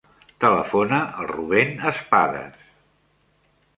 Telefona al Rubèn Espadas.